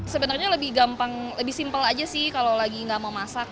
sebenarnya lebih gampang lebih simpel aja sih kalau lagi nggak mau masak